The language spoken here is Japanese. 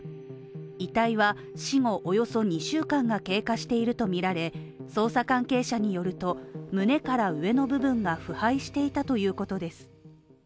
遺体は死後、およそ２週間が経過しているとみられ、捜査関係者によると、胸から上の部分が腐敗していたということです。